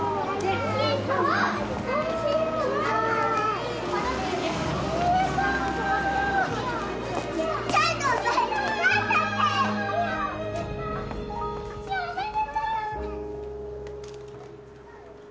千与おめでとう！